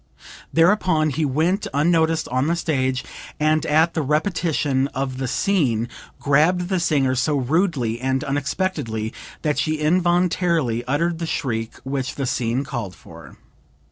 Thereupon he went unnoticed on the stage and at the repetition of the scene grabbed the singer so rudely and unexpectedly that she involuntarily uttered the shriek which the scene called for.